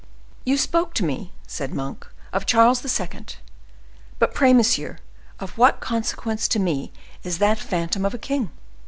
"You spoke to me," said Monk, "of Charles II.; but pray, monsieur, of what consequence to me is that phantom of a king?